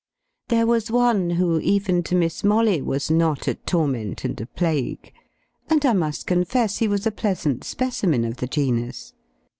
There was one, who, even to Miss Molly, was not a torment and a plague; and I must confess he was a pleasant specimen of the genus.